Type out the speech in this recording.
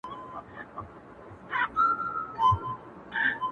له هر یوه سره د غلو ډلي غدۍ وې دلته!